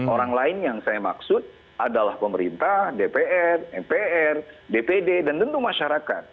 orang lain yang saya maksud adalah pemerintah dpr mpr dpd dan tentu masyarakat